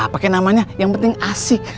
pakai namanya yang penting asik